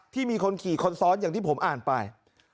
มีคนขี่คนซ้อนอย่างที่ผมอ่านไป